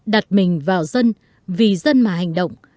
đặt mình vào dân vì dân mà hành động